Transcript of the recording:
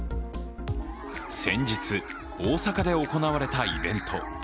先日、大阪で行われたイベント。